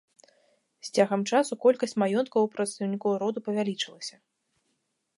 З цягам часу колькасць маёнткаў у прадстаўнікоў роду павялічылася.